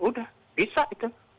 udah bisa itu